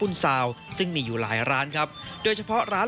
เวลาคุยงานตาย่ายซื้อทอดกันมา